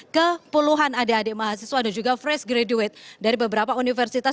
ke puluhan adik adik mahasiswa dan juga fresh graduate dari beberapa universitas